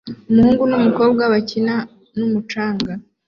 Umuhungu n'umukobwa bakina n'umucanga